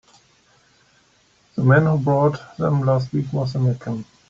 The man who bought them last week was American.